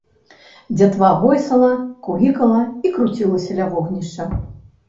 Дзятва гойсала, кугікала і круцілася ля вогнішча.